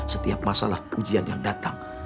setiap masalah pujian yang datang